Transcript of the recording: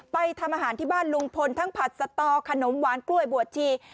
ทำอาหารที่บ้านลุงพลทั้งผัดสตอขนมหวานกล้วยบัวชี